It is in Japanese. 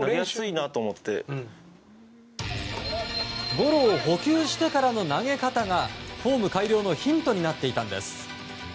ゴロを捕球してからの投げ方がフォーム改良のヒントになっていたんです。